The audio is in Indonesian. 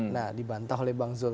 nah dibantah oleh bang zul